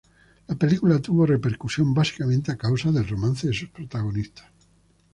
La película tuvo repercusión básicamente a causa del romance de sus protagonistas.